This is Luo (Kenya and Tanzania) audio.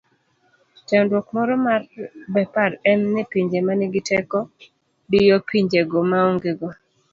chandruok moro mar Bepar en ni pinye manigi teko diyo pinyego maongego